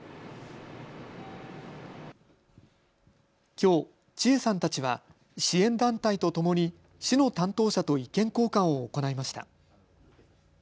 きょう、チエさんたちは支援団体とともに市の担当者と意見交換を行いました。